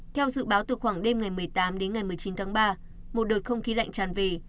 theo dự báo từ khoảng đêm ngày một mươi tám đến ngày một mươi chín tháng ba một đợt không khí lạnh tràn về